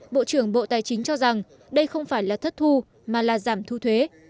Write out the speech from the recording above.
bộ trưởng bộ tài chính cho rằng đây không phải là thất thu mà là giảm thu thuế